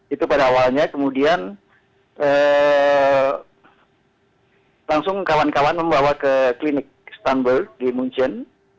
itu pada awalnya kemudian langsung kawan kawan membawa ke klinik stunburg di munchen